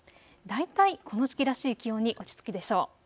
大体この時期らしい気温に落ち着くでしょう。